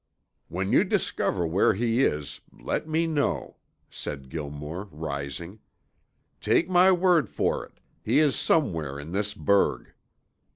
"When you discover where he is, let me know," said Gilmore, rising. "Take my word for it, he is somewhere in this burg.